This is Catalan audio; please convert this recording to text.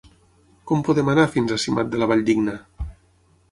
Com podem anar fins a Simat de la Valldigna?